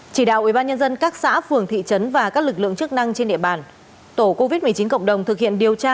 chỉ đạo ubnd các xã phường thị trấn và các lực lượng chức năng trên địa bàn tổ covid một mươi chín cộng đồng thực hiện điều tra